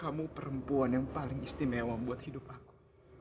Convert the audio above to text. kamu perempuan yang paling istimewa buat hidup aku